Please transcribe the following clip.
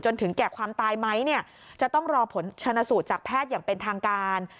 ถึงแก่ความตายไหมเนี่ยจะต้องรอผลชนสูตรจากแพทย์อย่างเป็นทางการ